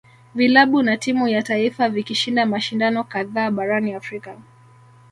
Vilabu na timu ya taifa vikishinda mashindano kadhaa barani Afrika